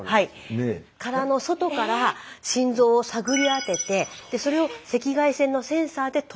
殻の外から心臓を探り当ててそれを赤外線のセンサーでとらえると。